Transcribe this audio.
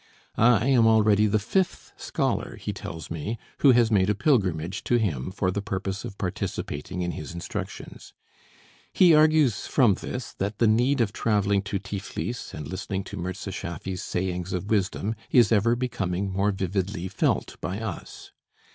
I am already the fifth scholar, he tells me, who has made a pilgrimage to him for the purpose of participating in his instructions. He argues from this that the need of traveling to Tiflis and listening to Mirza Schaffy's sayings of wisdom is ever becoming more vividly felt by us.